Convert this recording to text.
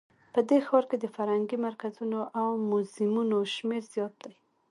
په دې ښار کې د فرهنګي مرکزونو او موزیمونو شمیر زیات ده